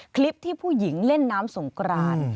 คลิปที่ผู้หญิงเล่นน้ำสงกราน